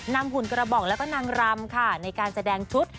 หุ่นกระบอกแล้วก็นางรำค่ะในการแสดงชุด